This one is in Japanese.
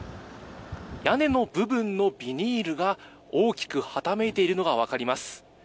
屋根の部分のビニールが大きくはためいているのが分かります。